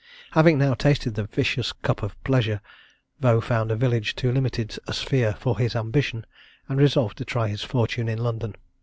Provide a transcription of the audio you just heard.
Having now tasted the vicious cup of pleasure, Vaux found a village too limited a sphere for his ambition, and resolved to try his fortune in London.